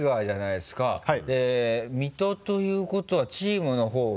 で水戸ということはチームのほうは？